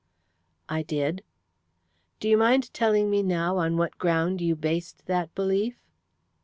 "I did." "Do you mind telling me now on what ground you based that belief?"